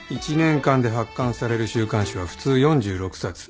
１年間で発刊される週刊誌は普通４６冊。